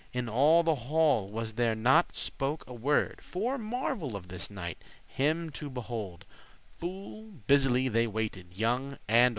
In all the hall was there not spoke a word, For marvel of this knight; him to behold Full busily they waited,* young and old.